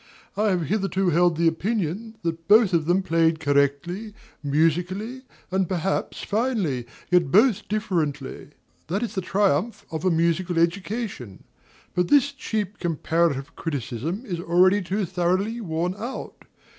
I have hitherto held the opinion that both of them played correctly, musically, and perhaps finely, and yet both differently: that is the triumph of a musical education. But this cheap comparative criticism is already too thoroughly worn out.